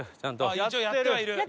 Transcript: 一応やってはいる。